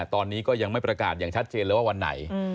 ตอนนี้ก็ยังไม่ประกาศอย่างชัดเจนเลยว่าวันไหน